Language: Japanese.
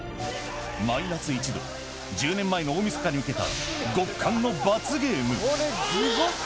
マイナス１度、１０年前の大晦日に受けた極寒の罰ゲーム。